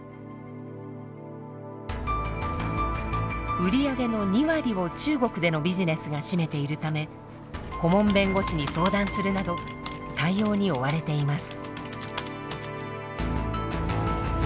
売り上げの２割を中国でのビジネスが占めているため顧問弁護士に相談するなど対応に追われています。